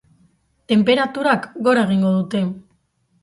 Tenperaturak gora egingo dute.